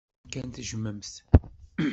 Iban kan tejjmemt-t.